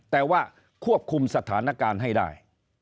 แต่ว่าควบคุมสถานการณ์ให้ได้